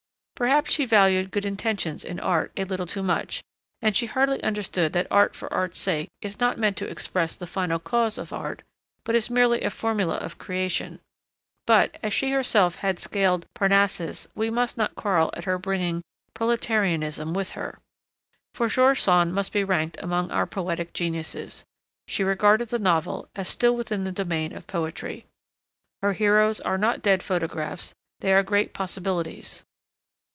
Perhaps she valued good intentions in art a little too much, and she hardly understood that art for art's sake is not meant to express the final cause of art but is merely a formula of creation; but, as she herself had scaled Parnassus, we must not quarrel at her bringing Proletarianism with her. For George Sand must be ranked among our poetic geniuses. She regarded the novel as still within the domain of poetry. Her heroes are not dead photographs; they are great possibilities.